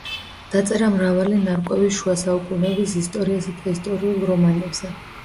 დაწერა მრავალი ნარკვევი შუა საუკუნეების ისტორიასა და ისტორიულ რომანებზე.